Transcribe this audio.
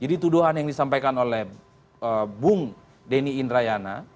jadi tuduhan yang disampaikan oleh bung denny indrayana